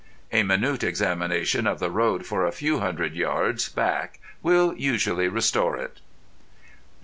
A minute examination of the road for a few hundred yards back will usually restore it.